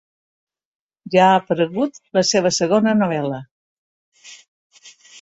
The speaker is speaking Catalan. Ja ha aparegut la seva segona novel·la.